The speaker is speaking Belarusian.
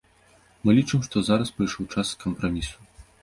Мы лічым, што зараз прыйшоў час кампрамісу.